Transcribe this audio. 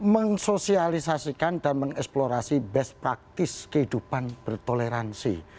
mensosialisasikan dan mengeksplorasi best practice kehidupan bertoleransi